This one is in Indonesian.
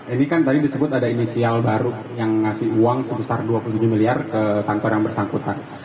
ini kan tadi disebut ada inisial baru yang ngasih uang sebesar dua puluh tujuh miliar ke kantor yang bersangkutan